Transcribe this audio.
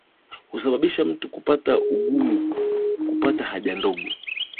Husababisha mtu kupata ugumu kupata haja ndogo